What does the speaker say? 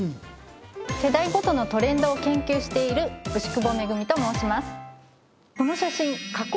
世代事のトレンドを研究している牛窪恵と申します。